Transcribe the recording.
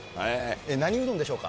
何うどんでしょうか。